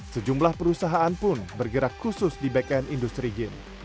sejumlah perusahaan pun bergerak khusus di backend industri game